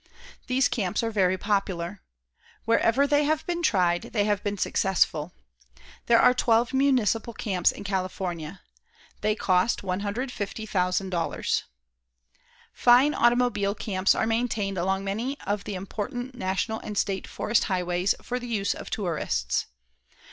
These camps are very popular. Wherever they have been tried, they have been successful. There are twelve municipal camps in California. They cost $150,000. Fine automobile camps are maintained along many of the important National and State Forest highways for the use of tourists.